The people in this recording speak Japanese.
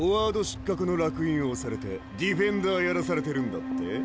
失格のらく印を押されてディフェンダーやらされてるんだって？